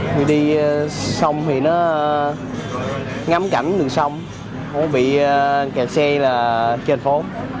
người đi sông thì nó ngắm cảnh đường sông nó bị kẹt xe là trên phố